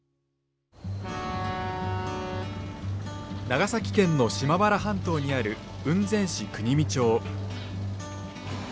長崎県の島原半島にある雲仙市国見町。